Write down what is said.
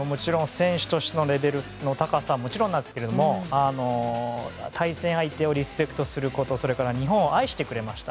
選手としてのレベルの高さはもちろんなんですが対戦相手をリスペクトすることそれから日本を愛してくれました。